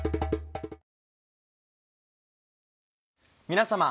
皆様。